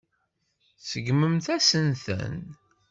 Tseggmemt-asen-ten.